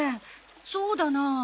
そうだな。